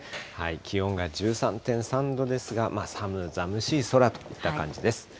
気温が１３．３度ですが、寒々しい空といった感じです。